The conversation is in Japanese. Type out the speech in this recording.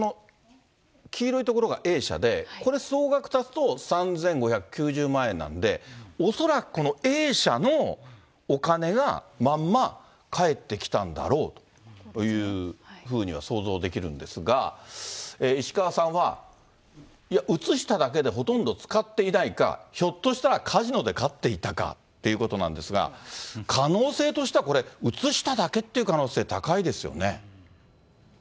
黄色いところがＡ社で総額足すと３５９０万円なんで、恐らくこのＡ社のお金がまんま返ってきたんだろうというふうには想像できるんですが、石川さんは、いや、移しただけでほとんど使っていないか、ひょっとしたらカジノで勝っていたかっていうことなんですが、可能性としてはこれ、移しただけっていう可能性高いですよね。